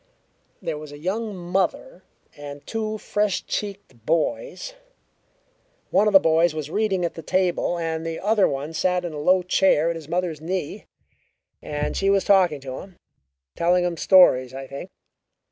There was a young mother and two fresh cheeked boys; one of the boys was reading at the table, and the other one sat in a low chair at his mother's knee and she was talking to him telling him stories, I think.